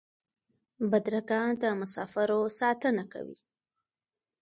بدرګه د مسافرو ساتنه کوي.